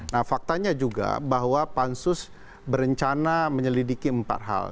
nah faktanya juga bahwa pansus berencana menyelidiki empat hal